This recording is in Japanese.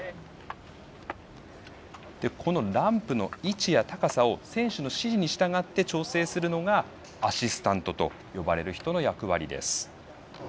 このランプの位置や高さを選手の指示に従って調整するのがアシスタントと呼ばれる人の役割です。